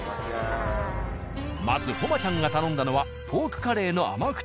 まず誉ちゃんが頼んだのはポークカレーの甘口。